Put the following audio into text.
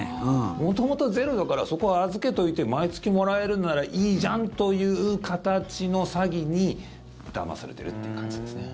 元々ゼロだからそこへ預けといて毎月もらえるんならいいじゃんという形の詐欺にだまされてるという感じですね。